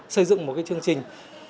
xây dựng một cái chương trình